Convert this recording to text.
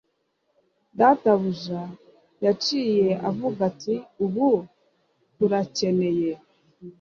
Databuja yaciye avuga ati Ubu turakeneye